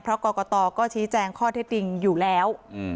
เพราะกรกตก็ชี้แจงข้อเท็จจริงอยู่แล้ว